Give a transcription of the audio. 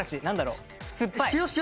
何だろう？